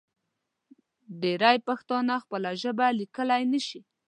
ډېری پښتانه خپله ژبه لیکلی نشي.